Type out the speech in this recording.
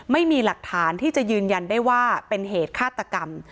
ไม่มีหลักฐานที่จะยืนยันได้ว่าเป็นเหตุฆาตกรรม